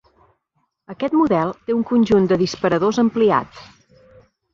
Aquest model té un conjunt de disparadors ampliat.